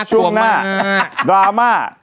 ช่วงหน้าดราม่า